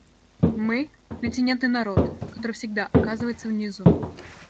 Мы — континент и народ, который всегда оказывается внизу.